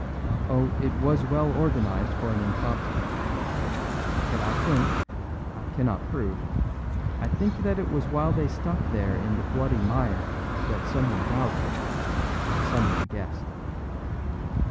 Oh, it was well organised for an impromptu. But I think (I cannot prove), I think that it was while they stuck there in the bloody mire that someone doubted and someone guessed."